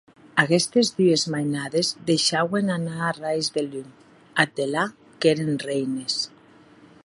Aguestes dues mainades deishauen anar arrais de lum; ath delà, qu’èren reines.